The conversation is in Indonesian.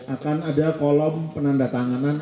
akan ada kolom penandatangan